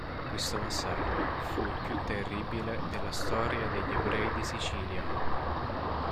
Questo massacro fu il più terribile della storia degli ebrei di Sicilia.